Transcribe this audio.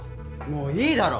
もういいだろ！